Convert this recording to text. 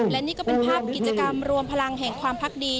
และนี่ก็เป็นภาพกิจกรรมรวมพลังแห่งความพักดี